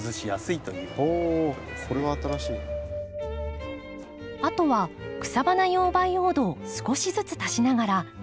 あとは草花用培養土を少しずつ足しながら植えつけていきます。